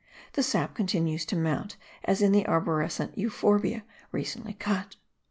The sap continues to mount as in the arborescent Euphorbia recently cut.